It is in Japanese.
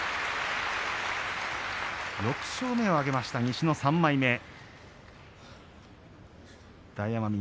６勝目を挙げました西の３枚目、佐田の海。